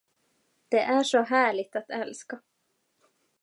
Det är så härligt att älska!